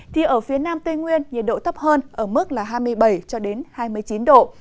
thì ở phía nam tây nguyên nhiệt độ thấp hơn ở mức hai mươi bảy hai mươi chín độ